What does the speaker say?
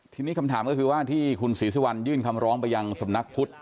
ทีนี้คำถามก็คือว่าที่คุณศรีสุวรรณยื่นคำร้องไปยังสำนักพุทธ